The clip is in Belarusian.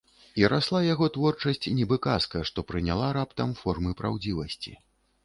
І расла яго творчасць, нібы казка, што прыняла раптам формы праўдзівасці.